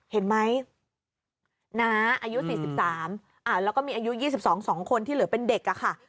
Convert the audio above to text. เห็นไหมน้าอายุ๔๓แล้วก็มีอายุ๒๒คนที่เหลือเป็นเด็กค่ะ